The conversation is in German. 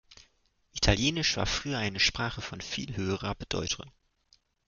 Italienisch war früher eine Sprache von viel höherer Bedeutung.